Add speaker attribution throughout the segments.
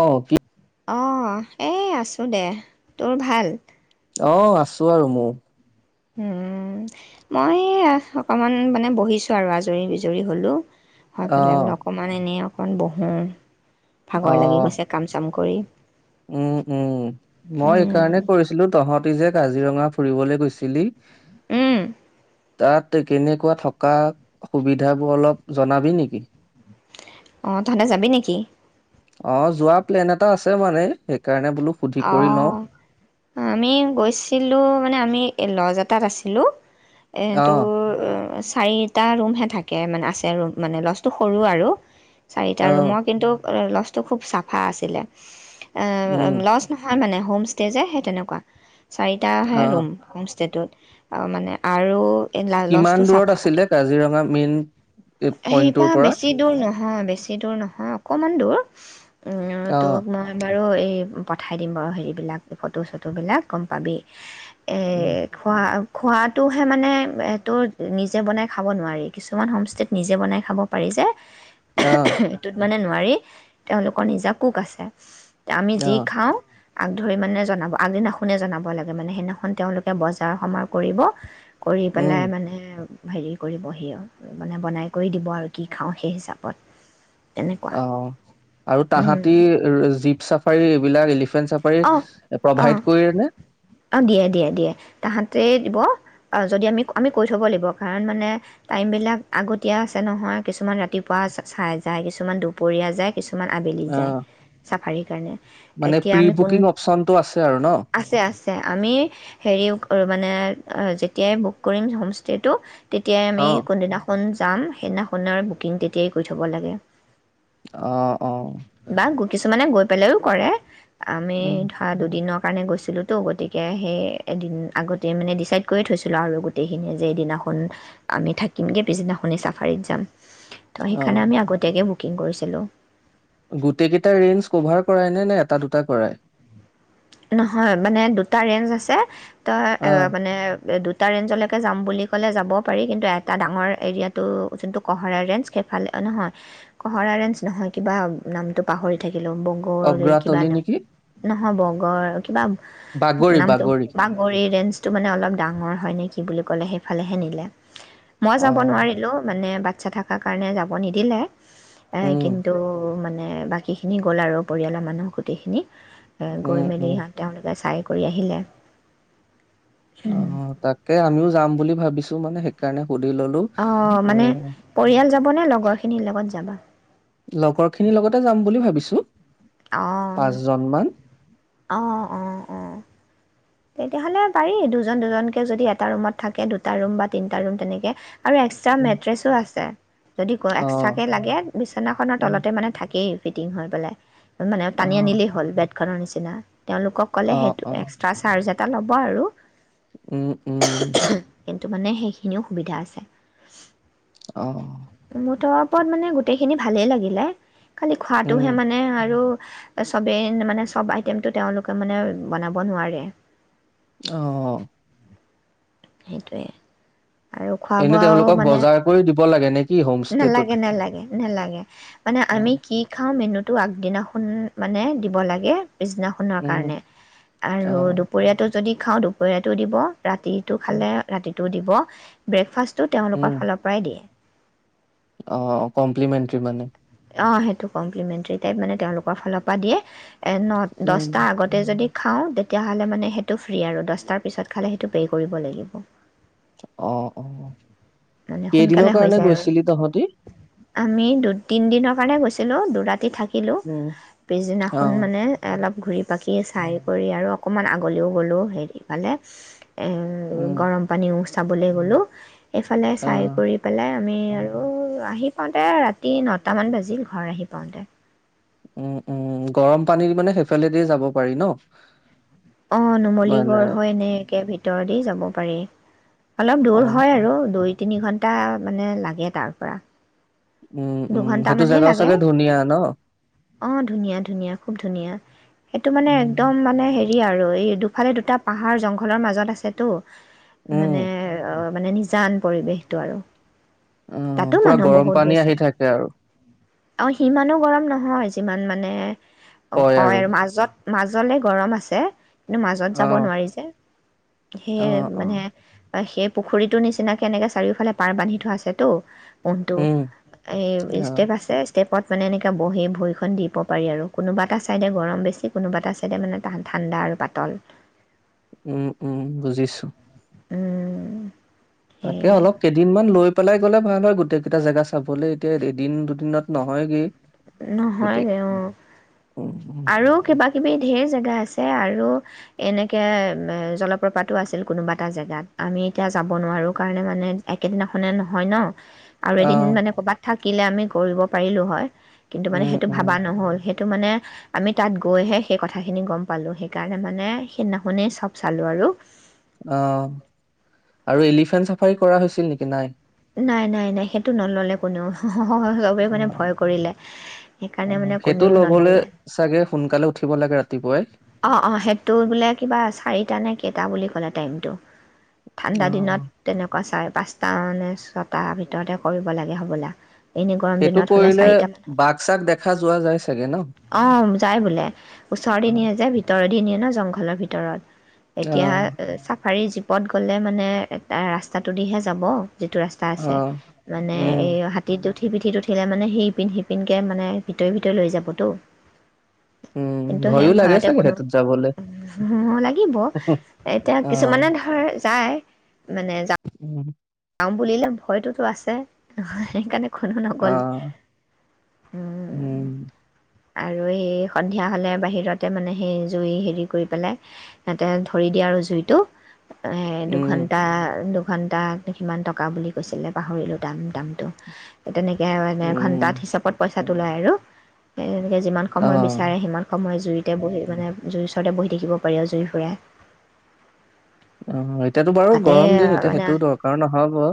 Speaker 1: অ কি।
Speaker 2: অ এই আছো দে তোৰ ভাল।
Speaker 1: অ আছো আৰু মোৰ।
Speaker 2: উম মই অকমান মানে বহিছো আৰু আজৰি বিজৰি হলও। হৈ
Speaker 1: অ
Speaker 2: পেলাই বোলে অকমান এনে। অণ বহোঁ।
Speaker 1: অ
Speaker 2: ভাগৰ লাগি গৈছে কাম চাম। কৰি।
Speaker 1: উম উম মই
Speaker 2: উম,
Speaker 1: সকাৰণে কৰিছিলো তহঁত। তয় যে কাজিৰঙা ফুৰিবলৈ গৈছিলি।
Speaker 2: উম,
Speaker 1: তাত কেনেকুৱা থকা সুবিধাবোৰ অলপ জনাবি নেকি!
Speaker 2: অ তহঁতে যাবি নেকি?
Speaker 1: অ যোৱা প্লেন এটা আছে মানে। সেইকাৰণে বোলো সুধি
Speaker 2: অ
Speaker 1: কৰি লওঁ
Speaker 2: আমি গৈছিলো মানে আমি লজাত। এ তাত আছিলোঁ। এ।
Speaker 1: আহ
Speaker 2: চাৰিটা ৰুমহে থাকে মানে আছে ৰুম মানে লজটো সৰু আৰু। চাৰিটা
Speaker 1: আহ
Speaker 2: ৰুমৰ কিন্তু। লছটো খুব চাফা আছিলে।
Speaker 1: উম
Speaker 2: লষ্ট। মানে হোম ষ্টে যে সেই তেনেকুৱা। চাৰিটাহে
Speaker 1: আহ
Speaker 2: ৰুম হোমষ্টেটোত। অ মানে আৰু। লজটো
Speaker 1: কিমান দূৰত আছিলে কাজিৰঙা মেইন।
Speaker 2: সেইবা
Speaker 1: পইন্টটোৰ পৰা
Speaker 2: বেছি দূৰ নহয়। হহ বেছি দূৰ নহয় অকণমান দূৰ। উম
Speaker 1: আহ
Speaker 2: তোক মা বা। আৰু এই পঠাই দিম বাৰু হেৰিবিলাক ফটো চটোবিলাক গম পাবি। এ
Speaker 1: উম
Speaker 2: খোৱা। খোৱাাতটো হে মানে সেইটো নিজে বনাই খাব নোৱাৰি কিছুমান হোম। নিজে বনাই খাব পাৰি যে।
Speaker 1: আহ
Speaker 2: এইটোত মানে নু। আৰে তেওঁলোকৰ নিজা কুক আছে আমি যি
Speaker 1: আহ
Speaker 2: খাওঁ আগ ধৰি মানে জনাব আগদিনাখনেই জনাব লাগে মানে সেইনাখন তেওঁলোকে বজাৰ সমাৰ কৰিব কৰি
Speaker 1: উম
Speaker 2: পেলাই মানে হেৰি কৰিবহি আৰু মানে বনাই কৰি দিব আৰু কি খাওঁ সেই হিচাপত তেনেকুৱা
Speaker 1: অ আৰু তাহাঁতি যি চাফাৰী এইবিলাক এলিফ চাফাৰি
Speaker 2: অঁ অঁ
Speaker 1: প্ৰভাইত কৰে নে
Speaker 2: অঁ দিয়ে দিয়ে দিয়ে তাহাঁতেই দিব যদি আমি আমি কৈ থ'ব লাগিব কাৰণ মানে টাইমবিলাক আগতীয়া আছে নহয় কিছুমান ৰাতিপুৱা চাই যায় কিছুমান দুপৰীয়া যায় কিছুমান আবেলি
Speaker 1: অ
Speaker 2: যায় চাফাৰী সেইকাৰণে
Speaker 1: মানে প্ৰি অপচনটো আৰু আছে ন
Speaker 2: আছে আছে আমি হেৰি মানে যেতিয়াই বুক কৰিম হোম ষ্টেটো তেতিয়াই
Speaker 1: অ
Speaker 2: আমি কোন দিনাখন যাম সেইদিনাখন আ বুকিং তেতিয়াই কৰি থ'ব লাগে
Speaker 1: অহ অহ
Speaker 2: বা কিছুমানে গৈ পেলাইও কৰে আমি
Speaker 1: উম
Speaker 2: ধৰা দুদিনক কাৰণে গৈছিলোঁতো গতিকে সেই এদিন আগতে মানে ডিচাইড কৰি থৈছিলোঁ আৰু গোটেইখিনিয়ে যে এইদিনাখন আমি থাকিমগে পিছদিনাখনেই চাফাৰীত যাম ত
Speaker 1: অ
Speaker 2: সেইকাণে আমি আগতীয়াকে বুক বুকিং কৰিছিলোঁ
Speaker 1: গোটেইকেইটা ৰেঞ্জ কভাৰ কৰাইনে নে এটা দুটা কৰায়
Speaker 2: নহয় মানে দুটা ৰেঞ্জ আছে এটা অ
Speaker 1: আহ
Speaker 2: মানে দু দুটা ৰেঞ্জলৈকে যাম বুলি ক'লে যাব পাৰি কিন্তু এটা ডাঙৰ এৰিয়াটো যোনটো কঁহৰা ৰেঞ্জ সেইফালে নহয় কঁহৰা ৰেঞ্জ নহয় কিবা নামটো পাহৰি থাকি লো বংগলৈ কিবা
Speaker 1: অগ্ৰাতলি
Speaker 2: আন
Speaker 1: নেকি
Speaker 2: ন হব ৰ কিবা
Speaker 1: বাগৰি
Speaker 2: নামটো
Speaker 1: বাগৰি
Speaker 2: বাগৰি ৰেঞ্জ মানে অলপ ডাঙৰ হয় নে কি বুলি ক'লে সেইফালেহে নিলে মই
Speaker 1: অ
Speaker 2: যাব নোৱাৰিলো মানে বাক বাচ্ছা থকাৰ কাৰণে যাব নিদিলে এ
Speaker 1: উম
Speaker 2: কিন্তু মানে মানে বাকীখিনি গ'ল আৰু পৰিয়ালৰ মানুহ গোটেইখিনি উ
Speaker 1: উম
Speaker 2: গৈ
Speaker 1: উম
Speaker 2: মেলিহঁ তেওঁলোকে চাই কৰি আহিলে
Speaker 1: অঁ তাকে আমিও যাম বুলি ভাবিছো মানে সেইকাৰণে সুধি ললো
Speaker 2: অঁ
Speaker 1: এ
Speaker 2: মানে পৰিয়াল যাব মানে লগৰ খিনিৰ লগত যাবা
Speaker 1: লগৰ খিনিৰ লগতে যাম বুলি ভাবিছো পাঁচজন মান
Speaker 2: আহঁ অঁ অঁ তেতিয়াহলে পাৰি দুজন দুজনকৈ যদি এটা ৰুমত থাকে দুটা ৰুম বা তিনটা ৰুম তেনেকৈ আৰু এক্সট্ৰা মেট্ৰেছো আছে যদি ক
Speaker 1: অ
Speaker 2: এক্সট্ৰাকৈ লাগে বিচনাখনৰ
Speaker 1: উম,
Speaker 2: তলতে মানে থাকেই ফিটিং হৈ পেলাই মানে
Speaker 1: অ
Speaker 2: টানি আনিলেই হ'ল বেট ক কাৰ নিচিনা তেওঁলোকক ক'লে
Speaker 1: অ
Speaker 2: সেইটো
Speaker 1: অ
Speaker 2: এক্স্ৰাটা আৰু জটা ল'ব আৰু
Speaker 1: উম উম
Speaker 2: কিন্তু মানে সেইখিনিও সুবিধা আছে
Speaker 1: অ',
Speaker 2: মুঠৰ ওপৰত মানে গোটেই সেই খিনি ভালে লাগিলে খালি
Speaker 1: উম,
Speaker 2: খোৱাটোহে মানে আৰু চবেই মানে চব আইটেমতটো তেওঁলোকে মানে বনাব নোৱাৰে
Speaker 1: অঁ
Speaker 2: সেইটোৱেই আৰু খোৱা
Speaker 1: এনে
Speaker 2: বোৱাও
Speaker 1: তেওঁলোকক
Speaker 2: মানে
Speaker 1: বজাৰ কৰি দিব লাগে নে কি হোমষ্টেটোত?
Speaker 2: নালাগে নালাগে নালাগে মানে আমি
Speaker 1: অ',
Speaker 2: কি খাওঁ মেনুত তটো আগদিনাখন মানে দিব লাগে পিছনাখনৰ
Speaker 1: উম,
Speaker 2: কাৰণে আৰু
Speaker 1: অ',
Speaker 2: দুপৰীয়াটো যদি খাওঁ দুপৰীয়াতটো দিব ৰাতি টো
Speaker 1: উম,
Speaker 2: খালে ৰাতি দিব ব্ৰেকফাষ্ট টো তেওঁলোকৰ ফালৰ পৰাই দিয়ে
Speaker 1: অ অ কমপ্লিমেণ্টাৰী মানে
Speaker 2: অঁ সেইটো কমপ্লিমেণ্টেৰী টাইপ মানে তেওঁলোকৰ ফালৰ পৰা দিয়ে ন
Speaker 1: উম,
Speaker 2: দহটা আগতে যদি খাওঁ তেতিয়াহ'লে মানে সেইটো ফ্ৰী আৰু দহটাৰ পিছত খালে সেইটো পে' কৰিব লাগিব
Speaker 1: অ অ
Speaker 2: মানে সোনকালে
Speaker 1: কেইদিনৰ
Speaker 2: হৈ
Speaker 1: কাৰণে
Speaker 2: যায় আৰু
Speaker 1: গৈছিলি তহঁতি
Speaker 2: আমি দু তিনিদিনৰ কাৰণে গৈছিলোঁ দু ৰাতি থাকি শিকিলোঁ
Speaker 1: উম,
Speaker 2: পিছদিনাখন
Speaker 1: অ',
Speaker 2: মানে অলপ ঘূৰি পাাকি চাই কৰি আৰু অকণমান আগলৈও গ'লো হেৰিফালে
Speaker 1: উম,
Speaker 2: গৰম পানী ও চাবলৈ গ'লোঁ এইফালে চাই
Speaker 1: অ',
Speaker 2: কৰি পেলাই আমি আৰু আহি পাওঁতে ৰাতি ৰাতি নটামান বাজি ঘৰ আহি পাওঁতে
Speaker 1: উম উম গৰম পানীত মানে সেইফালেদি যাব পাৰি ন
Speaker 2: অ
Speaker 1: মানে
Speaker 2: নুমলীগড় হয় এনেকে ভিতৰত ভিতৰতে যাব পাৰেি অলপ দৌৰ
Speaker 1: অ',
Speaker 2: হয়
Speaker 1: অ',
Speaker 2: আৰু দৈত তিনি ঘণ্টা মানে লাগে তাৰ পৰা
Speaker 1: উম, উম,
Speaker 2: দুঘন্টা
Speaker 1: সেইটো
Speaker 2: মানহে
Speaker 1: জেগাও
Speaker 2: লাগে
Speaker 1: চাগে ধুনীয়া ন?
Speaker 2: অ ধুনীয়া ধুনীয়া খুব ধুনীয়া সেইটো মানে
Speaker 1: উম,
Speaker 2: একদম মানে হেৰি দ আৰু এই দুফালে দুটা পাহাৰ জংঘলৰ মাজত আছেতো
Speaker 1: উম,
Speaker 2: মানে অ মানে নিজান পৰিৱেশটো আৰু
Speaker 1: অ
Speaker 2: তাতো
Speaker 1: পুৰা
Speaker 2: মানুহ
Speaker 1: গৰম
Speaker 2: বহুত
Speaker 1: পানী
Speaker 2: গৈছে।
Speaker 1: আহি থাকে স আৰু
Speaker 2: অ সিমানো গৰম নহয় যিমান মানে অ কয় মাজত মাজলে গৰম আছে কিন্তু মাজত যাব
Speaker 1: অ',
Speaker 2: নোৱাৰি যে সেইয়ে
Speaker 1: অ', অ'।
Speaker 2: মানে সেই পুখুৰীতো নিচিনাকে এনেকে চাৰিওফালে পাৰ বান্ধি থোৱা আছে তো উটো
Speaker 1: উম,
Speaker 2: এই
Speaker 1: অ',
Speaker 2: ষ্টেপ আছে ষ্টেপত মানে এনেককা বহি ভৰিখন দিব পাৰি আৰু কোনোবা এটা চাইডে গৰম বেছি কোনোবা এটা চাইডে মানে ঠাণ্ডা আৰু পাতল
Speaker 1: উম উম বুজিছো
Speaker 2: উম
Speaker 1: তাকে
Speaker 2: সেই
Speaker 1: অলপ কেইদিনমান লৈ পেলাই গ'লে ভাল হয় গোটেই কেইটা জেগা চাবলে এতিয়া এদিন দুদিনত নহয়গে
Speaker 2: নহয় দে
Speaker 1: উম, উম,
Speaker 2: আৰু কিবা কিবি ধঢেৰ জেগা আছে আৰু এনেকৈ জলপ্ৰপাতো আছিল কোনোবা এটা জেগাত আমি এতিয়া যাব নোৱাৰোঁ কাৰণে মানে একেদিনাখনে নহয় ন আৰু এদিন
Speaker 1: অ',
Speaker 2: মানে কৰ'বাত থাক শিকিলে আমি কৰিব পাৰিলোঁ হয় কিন্তু মানে
Speaker 1: উম,
Speaker 2: সেইটো
Speaker 1: উম,
Speaker 2: ভবা নহ'ল সেই টো মানে আমি তাত গৈহে সেই কথাখিনি গম পালোঁ সেইকাৰণে মানে সেইদিনাশুনে চব চালোঁ আৰু
Speaker 1: অ আৰু এলিফেণ্ট চাফাৰী কৰা হৈছিল নেকি নাই
Speaker 2: নাই নাই নাই সেইটো নল'লে কোনেও চবেই মানে ভয় কৰিলে
Speaker 1: অ অ
Speaker 2: সেইকাৰণে মানে
Speaker 1: সেইটো
Speaker 2: কোনেও
Speaker 1: লবলৈ
Speaker 2: নল'লে
Speaker 1: চাগে সোনকালে উঠিব লাগে ৰাতিপুৱাই
Speaker 2: অ অ সেইটো বোলে কিবা চাৰি নে কেইটা বুলি কলে টাইমটো ঠাণ্ডা দিনত
Speaker 1: অ'।
Speaker 2: তেনেকুৱা চাই পাঁচটানে ছটাৰ ভিতৰতে কৰিব লাগে হ'বলৈ
Speaker 1: সেইটো কৰিলে বাঘ চাগ দেখা যোৱা যায় চাগে ন
Speaker 2: অ যায় বোলে ওচৰ দিন
Speaker 1: অ',
Speaker 2: যে ভিতৰৰ দিন ন জংঘলৰ ভিতৰত এতিয়া
Speaker 1: অ',
Speaker 2: হাৰী জীপত গ'লে মানে এ ৰাস্তাটোদিহে যাব যিটো ৰাস্তা আছে
Speaker 1: অ',
Speaker 2: মানে
Speaker 1: উম,
Speaker 2: এই হাতীৰটোত উঠি পিঠিত উঠিলে মানে সিপিন সিপিনকৈ মানে ভিতৰ ভিতৰ লৈ যাব টো
Speaker 1: উম,
Speaker 2: কিন্তু সেই
Speaker 1: ভয়ো লাগে
Speaker 2: ভয়তে
Speaker 1: চাগে
Speaker 2: কোনো
Speaker 1: সেইটোত যাবলে।
Speaker 2: লাগিব এতিয়া
Speaker 1: অ',
Speaker 2: কিছুমানে ধৰ যায় মানে যা
Speaker 1: উম,
Speaker 2: বুলিলে ভয়তোতো আছে সে [unintelligible] নগ'ল
Speaker 1: অ', উম।
Speaker 2: আৰু সেই সন্ধিয়া হ'লে বাহিৰতে মানে সেই জুই হেৰি কৰি পেলাই সিহঁতে ধৰি দিয়ে আৰু জুইটো এ
Speaker 1: উম,
Speaker 2: দুঘন্টা দু ঘন্তা। কিমান টকা বুলি কৈছিলে, পাহৰিলোঁ দাম দামটো। তেনেকে মানে,
Speaker 1: উম,
Speaker 2: ঘণ্টাত হিচাপত পইচাটো লয় আৰু। উম। সে, যিমান সময়
Speaker 1: অ',
Speaker 2: বিচাৰে, সিমান সময় জুইতে বহি, মানে জুইৰ ওচৰতে বহি থাকিব পাৰি, জুই ফুৰাই।
Speaker 1: অ হয়।
Speaker 2: তাতে মানে
Speaker 1: নহ'ব অ'।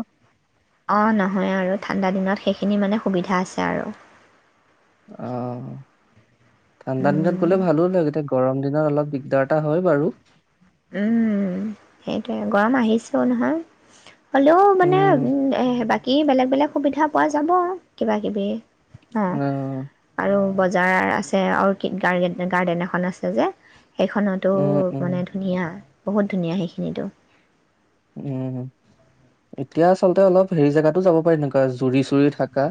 Speaker 2: অ, নহয় আৰু ঠাণ্ডা দিনত সেইখিনি মানে সুবিধা আছে আৰু।
Speaker 1: আহ ঠাণ্ডা দিনত
Speaker 2: আৰু
Speaker 1: গ'লে ভালো লাগে। এতিয়া গৰম এনে অলপ দিগদাৰ এটা হয় বাৰু।
Speaker 2: উম, সেইটোৱে গৰম আহিছেও নহয়। হ'লেও মানে
Speaker 1: উম,
Speaker 2: উম, বাক কি বেলেগ, বেলেগ সুবিধা পোৱা যাব কিবা, কিবি। হা,
Speaker 1: অ',
Speaker 2: আৰু বজাৰ আছে, অৰ্কিড গাদেন গাৰ্ডেন এখন আছে যে। সেইখনতো
Speaker 1: উম, উম,
Speaker 2: মানে বহুত ধুনীয়া, সেইখিনোটো
Speaker 1: উম, এতিয়া আচলতে অলপ হেৰি জোগাতো যাব পাৰি, এনেকুৱা জুৰি চুৰি থাকা।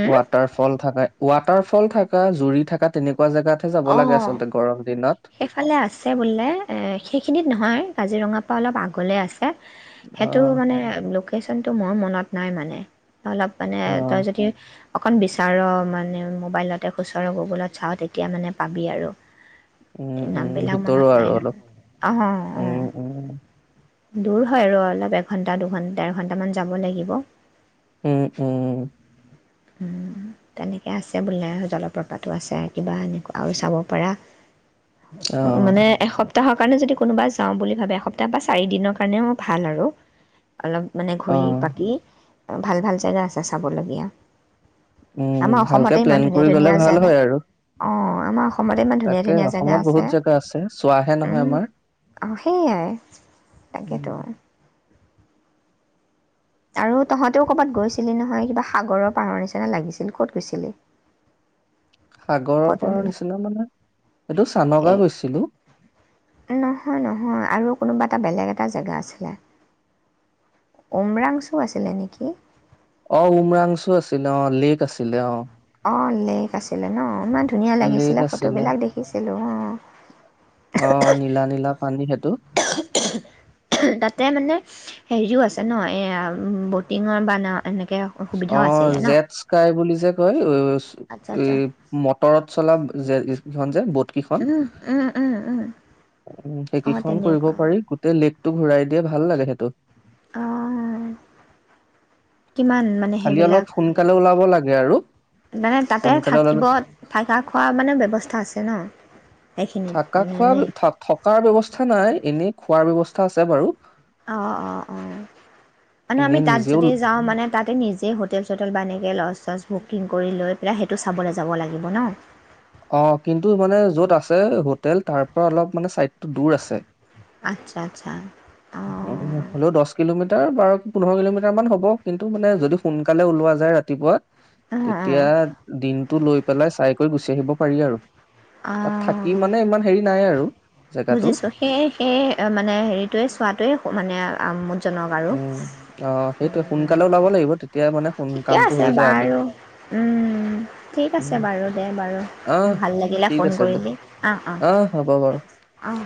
Speaker 2: উম,
Speaker 1: ৱাটাৰ ফল থাকে। ৱাটাৰ ফল থকা, জুৰি থকা তেনেকুৱা। এনেকুৱা জেগাতে যাব
Speaker 2: অ
Speaker 1: লাগে, আচলতে গৰম দিন।
Speaker 2: সেইফালে আছে বোলে, এ সেইখিনিত নহয় কাজিৰঙা। অলপ আগলে আছে। সেইটো
Speaker 1: অ',
Speaker 2: মানে লোকেচনটো মোৰ মনত নাই মানে। অলপ মানে,
Speaker 1: অ',
Speaker 2: তই যদি অকণ বিচাৰৰ মানে মোবাইলতে খুচৰ গুগলত চাওঁ তেতিয়া মানে পাবি আৰু।
Speaker 1: উম উম
Speaker 2: নামবিলাক
Speaker 1: ভিতৰো
Speaker 2: মনত
Speaker 1: আৰু
Speaker 2: নাই নহয় অঁ
Speaker 1: অলপ
Speaker 2: অঁ
Speaker 1: উম উম
Speaker 2: দূৰ হয় আৰু অলপ এঘন্টা, দুঘন্টা, ডৰ ঘন্টামান, যাব লাগিব।
Speaker 1: উম, উম, উম।
Speaker 2: তেনেকে আছে বোলে আৰু জলপ্ৰপাতো আছে, কিবা এনেকুৱা আৰু চাব পাৰা। উ মানে,
Speaker 1: অ',
Speaker 2: এসপ্তাহ তাহ কাৰণে যদি কোনোবা যাওঁ বুলি ভাবে এসপ্তাহ বা পাঁচ চাৰি দিনৰ কাৰণেও মোৰ ভাল আৰু অলপ মানে
Speaker 1: অ'।
Speaker 2: ঘূৰি-পাকি ভাল ভাল জেগা আছে চাবলগীয়া।
Speaker 1: উম
Speaker 2: আমাৰ অসমতে
Speaker 1: ভালকে
Speaker 2: ইমান
Speaker 1: প্লেন
Speaker 2: ধুনীয়া
Speaker 1: কৰি
Speaker 2: ধুনীয়া
Speaker 1: গ'লে ভাল
Speaker 2: জেগা
Speaker 1: হয় আৰু।
Speaker 2: অঁ আমাৰ অস অসমতে ইমান ধুনীয়া
Speaker 1: তাকে
Speaker 2: ধুনীয়া জেগা
Speaker 1: অসমত
Speaker 2: আছে,
Speaker 1: বহুত জেগা আছে চোৱাহে নহয়
Speaker 2: উম
Speaker 1: আমাৰ।
Speaker 2: অ সেইয়াই তাকেটো।
Speaker 1: উম,
Speaker 2: আৰু তহঁতেও কৰ'বাত গৈছিলি নহয় কিবা সাগৰৰ পাৰৰ নিচিনা লাগিছিল ক'ত গৈছিলি?
Speaker 1: সাগৰৰ পাৰৰ
Speaker 2: ফটোবিলাক
Speaker 1: নিচিনা মানে সেইটো চানগা
Speaker 2: এই
Speaker 1: গৈছিলো।
Speaker 2: নহয় নহয় আৰু কোনোবা এটা বেলেগ এটা জেগা আছিলে উমৰাং চু আছিলে নেকি?
Speaker 1: অ উমৰাংচু আছিলে অ লেক আছিলে অ।
Speaker 2: অ লেক আছিলে ন ইমান ধুনীয়া
Speaker 1: লেক
Speaker 2: লাগিছিলে
Speaker 1: আছিলে।
Speaker 2: ফটোবিলাক দেখিছিলো অ।
Speaker 1: অ, নীলা নীলা পানী [unintelligible] টো
Speaker 2: তাতে মানে হেৰিও আছে ন এই ব'টিঙৰ বা নাও এনেকৈ? সুবিধাও
Speaker 1: অ
Speaker 2: আছিলে ন
Speaker 1: জেট স্কাই বুলি যে কয়
Speaker 2: আচ্ছা আচ্ছা
Speaker 1: এই মটৰত চলা জেট কিখন যে ব'ত কিখন
Speaker 2: উম উম উম উম। অঁ
Speaker 1: সেইকিখন কৰিব
Speaker 2: তেনেকুৱা
Speaker 1: পাৰি গোটেই লেক ঘূৰাই দিয়ে ভাল লাগে সেইটো।
Speaker 2: অহ কিমান মানে
Speaker 1: খালি অলপ
Speaker 2: সেইবিলাক হেৰি
Speaker 1: সোনকালে ওলাব লাগে আৰু
Speaker 2: মানে তাতে
Speaker 1: সোনকালে ওলালে
Speaker 2: থাকিব থাকা-খোৱাৰ মানে ব্যৱস্থা আছে ন? সেইখিনিত
Speaker 1: থাকা -খোৱা
Speaker 2: মানে
Speaker 1: থ থকাৰ ব্যৱস্থা নাই এনেই খোৱাৰ ব্যৱস্থা আছে বাৰু।
Speaker 2: অ অ অ মানে
Speaker 1: এনে
Speaker 2: আমি তাত
Speaker 1: নিজেও
Speaker 2: যদি যাওঁ মানে তাতে নিজে হোটেল চোটেল বা এনেই লজ-চজ বুকিং কৰি লৈ পেলাই সেইটো চাবলৈ যাব লাগিব ন?
Speaker 1: অ কিন্তু মানে য'ত আছে হোটেল তাৰ পৰা অলপ মানে চাইডটো দূৰ আছে।
Speaker 2: আচ্ছা আচ্ছা অ।
Speaker 1: উম, হ'লেও দহ কিলোমিটাৰ বাৰ পোন্ধৰ কিলোমিটাৰ মান হ'ব কিন্তু মানে যদি সোনকালে ওলোৱা যায় ৰাতিপুৱা
Speaker 2: অঁ অঁ
Speaker 1: তেতিয়া দিন টো লৈ পেলাই চাই কৰি গুচি আহিব। পাৰি আৰু। তাত থাকি মানে ইমান হেৰি নাই আৰু। জেগাটো
Speaker 2: বুজিছো সেই সেই মানে হেৰিটোৱে চোৱাটোৱে মানে আমোদ।
Speaker 1: উম অ সেইটোে সোনকালেও লাব লাগিব তেয়া
Speaker 2: ঠিকে আছে বাৰু ঠিক
Speaker 1: উম
Speaker 2: আছে বাৰু দে বাৰু
Speaker 1: আহ
Speaker 2: ভাল লাগিলে
Speaker 1: ঠিক
Speaker 2: ফোন
Speaker 1: আছে দে
Speaker 2: কৰিলি অ অঁ
Speaker 1: আহ হ'ব বাৰু
Speaker 2: ঠছে অঁ